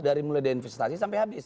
dari mulai dari investasi sampai habis